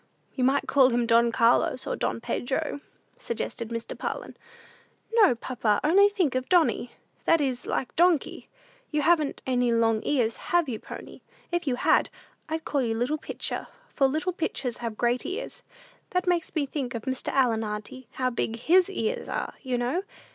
"You might call him Don Carlos, or Don Pedro," suggested Mr. Parlin. "No, papa; only think of Donny: that is like Donkey! You haven't any long ears, have you, pony? If you had, I'd call you Little Pitcher, for 'little pitchers have great ears.' That makes me think of Mr. Allen, auntie. How big his ears are, you know?